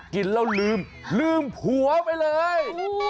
กินแล้วลืมลืมผัวไปเลย